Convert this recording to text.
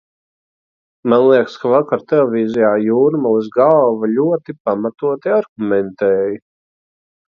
Man liekas, vakar televīzijā Jūrmalas galva ļoti pamatoti argumentēja.